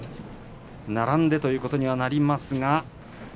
並んでということにはなります。